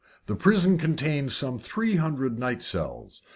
The prison contained some three hundred night cells.